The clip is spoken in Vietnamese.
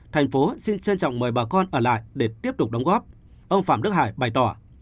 thành phố xin trân trọng mời bà con ở lại để tiếp tục đóng góp ông phạm đức hải bày tỏ